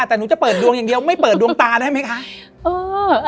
แต่หนูจะเปิดดวงอย่างเดียวไม่เปิดดวงตาได้ไหมคะ